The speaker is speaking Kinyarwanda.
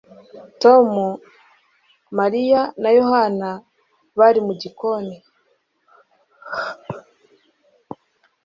Tom Mariya na Yohana bari mu gikoni